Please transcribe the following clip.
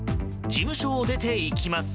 事務所を出て行きます。